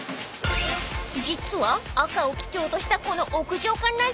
［実は赤を基調としたこの屋上観覧車